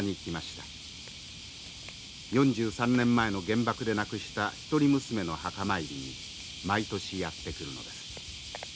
４３年前の原爆で亡くした一人娘の墓参りに毎年やって来るのです。